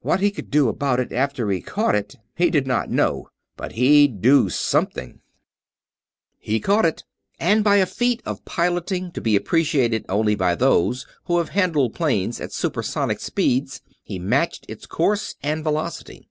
What he could do about it after he caught it he did not know, but he'd do something. He caught it; and, by a feat of piloting to be appreciated only by those who have handled planes at super sonic speeds, he matched its course and velocity.